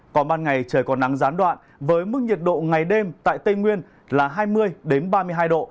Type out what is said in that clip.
còn ban ngày trời còn nắng gián đoạn với mức nhiệt độ ngày đêm tại tây nguyên là hai mươi ba mươi hai độ